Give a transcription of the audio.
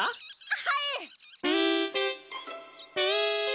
はい！